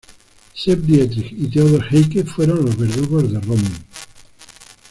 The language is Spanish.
Sepp Dietrich y Theodor Eicke fueron los verdugos de Röhm.